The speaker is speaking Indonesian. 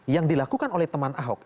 yang dilakukan oleh teman ahok